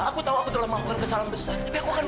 aku tahu aku telah melakukan kesalahan besar